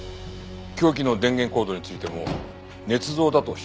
凶器の電源コードについても捏造だと主張しています。